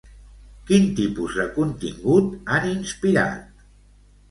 Quin tipus de contingut han inspirat?